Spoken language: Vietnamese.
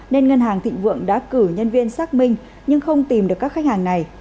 nên ngân hàng thịnh vượng đã cử nhân viên xác minh nhưng không tìm được các khách hàng này